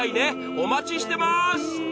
お待ちしてます。